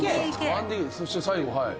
そして最後はい。